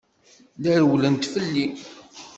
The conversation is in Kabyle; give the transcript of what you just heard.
La rewwlent fell-i.